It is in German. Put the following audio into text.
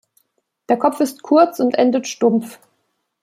Der Kopf ist kurz und endet stumpf.